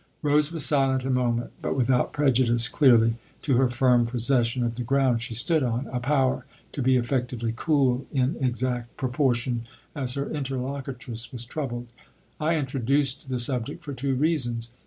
Rose was silent a moment, but without prejudice, clearly, to her firm possession of the ground she THE OTHER HOUSE 227 stood on a power to be effectively cool in exact proportion as her interlocutress was troubled. " I introduced the subject for two reasons.